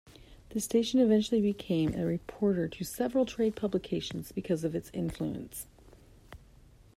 The station eventually became a reporter to several trade publications because of its influence.